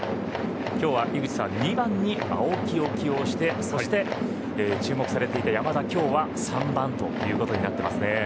今日は井口さん２番に青木を起用してそして、注目されていた山田は今日３番ということになっていますね。